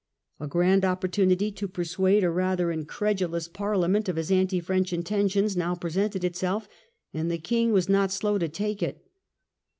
A grand opportunity to persuade a rather incredulous Parliament of his anti French intentions now presented itself, and the king was not slow to take it.